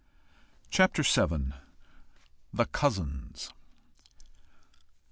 CHAPTER VII. THE COUSINS.